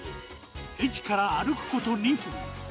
駅から歩くこと２分。